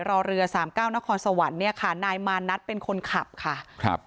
รอเรือสามเก้านครสวรรค์เนี่ยค่ะนายมานัทเป็นคนขับค่ะครับ